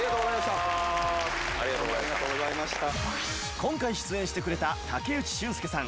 今回出演してくれた武内駿輔さん